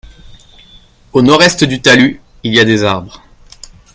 Au nord-est du talus il y a des arbres.